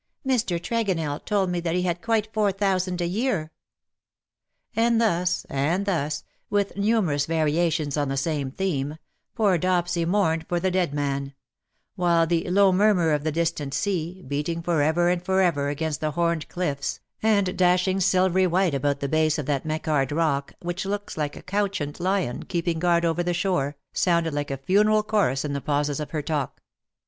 Mr. Tregonell told me that he had quite four thousand a year/' And thus — and thus, with numerous variations on the same theme — poor Dopsy mourned for the dead man ; while the low murmur of the distant sea, beating for ever and for ever against the horned cliffs, and dashing silvery white about the base of that Mechard Rock which looks like a couchant lion keeping guard over the shore, sounded like a funeral chorus in the pauses of her talk.